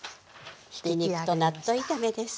ひき肉と納豆炒めです。